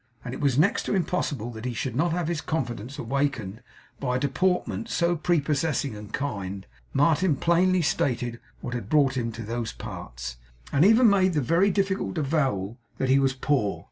As it was next to impossible that he should not have his confidence awakened by a deportment so prepossessing and kind, Martin plainly stated what had brought him into those parts, and even made the very difficult avowal that he was poor.